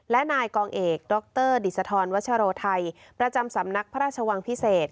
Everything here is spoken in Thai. และนายกองเอกดรดิสธรวัชโรไทยประจำสำนักพระราชวังพิเศษ